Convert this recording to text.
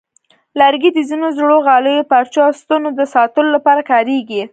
لرګي د ځینو زړو غالیو، پارچو، او ستنو د ساتلو لپاره کارېږي.